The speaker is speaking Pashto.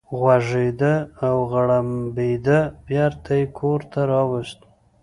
غوږېده او غړمبېده، بېرته یې کور ته راوست.